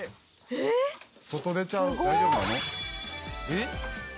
「えっ？」